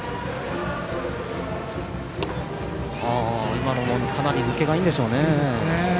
今のもかなり抜けがいいんでしょうね。